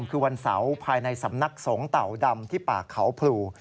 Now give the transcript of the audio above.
คือวันเสาร์ภายในสำนักสงฆ์เต่าดำที่ป่าเขาพลู